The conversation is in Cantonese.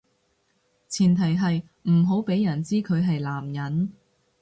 前提係唔好畀人知佢係男人